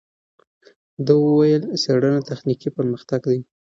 ده وویل، څېړنه تخنیکي پرمختګ دی.